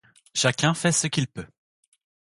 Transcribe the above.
Chacun fait ce qu'il peut.